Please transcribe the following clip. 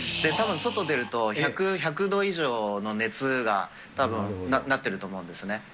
たぶん、外出ると、１００度以上の熱がたぶん、なってると思うんですね。